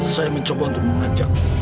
saya mencoba untuk mengajak